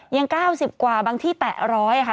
๙๐กว่าบางที่แตะ๑๐๐ค่ะ